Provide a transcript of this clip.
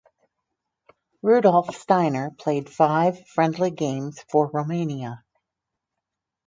Rudolf Steiner played five friendly games for Romania.